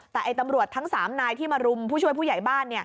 แต่ตำรวจทั้ง๓นายที่มารุมผู้ช่วยผู้ใหญ่บ้าน